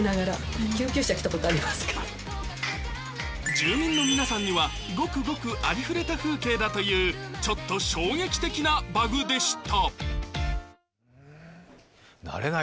住民の皆様にはごくごくありふれた風景だというちょっと衝撃的なバグでした。